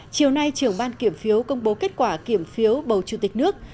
chiều nay trưởng ban kiểm phiếu công bố kết quả kiểm phiếu bầu chủ tịch nước